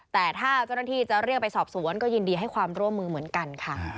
แต่ถ้าเจ้าหน้าที่จะเรียกไปสอบสวนก็ยินดีให้ความร่วมมือเหมือนกันค่ะ